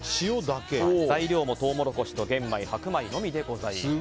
材料もトウモロコシと玄米・白米のみでございます。